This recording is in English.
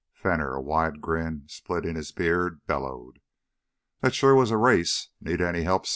Fenner, a wide grin splitting his beard, bellowed: "That shore was a race! Need any help, son?"